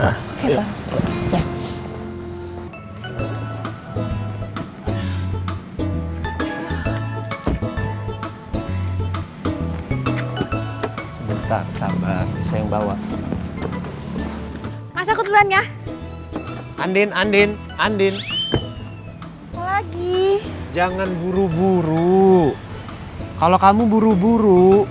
kahit sabar sayang bawa masa ke depannya anden anden anden lagi jangan buru buru kalau kamu buru buru